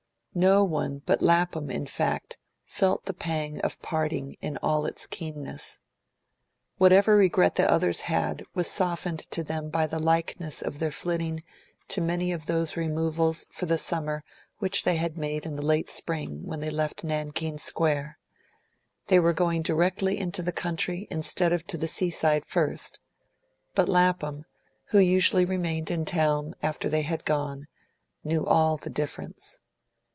No one but Lapham in fact, felt the pang of parting in all its keenness. Whatever regret the others had was softened to them by the likeness of their flitting to many of those removals for the summer which they made in the late spring when they left Nankeen Square; they were going directly into the country instead of to the seaside first; but Lapham, who usually remained in town long after they had gone, knew all the difference.